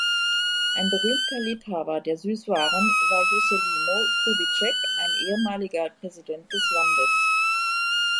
Ein berühmter Liebhaber der Süßwaren war Juscelino Kubitschek, ein ehemaliger Präsident des Landes.